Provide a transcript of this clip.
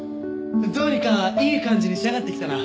どうにかいい感じに仕上がってきたな。